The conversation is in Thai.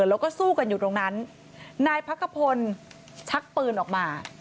แล้วก็สู้กันอยู่ตรงนั้นนายพักขพลชักปืนออกมา